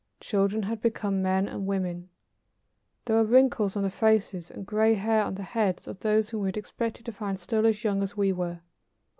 Children had become men and women. There were wrinkles on the faces and gray hair on the heads of those whom we had expected to find still as young as we were.